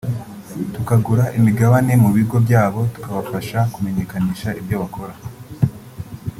tukagura imigabane mu bigo byabo tukabafasha kumeneyekanisha ibyo bakora